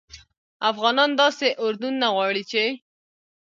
افغانان داسي اردو نه غواړي چې